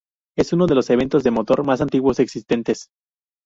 Es uno de los eventos de motor más antiguos existentes.